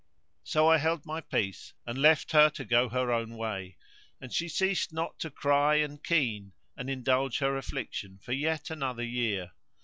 So I held my peace and left her to go her own way; and she ceased not to cry and keen and indulge her affliction for yet another year.